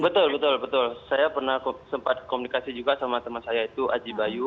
betul betul saya pernah sempat komunikasi juga sama teman saya itu aji bayu